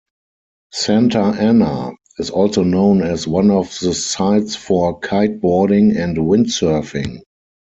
Santa Ana is also known as one of the sites for Kiteboarding and Windsurfing.